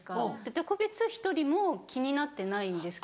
特別１人も気になってないんですけど。